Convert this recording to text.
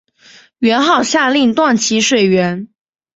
元昊下令断其水源。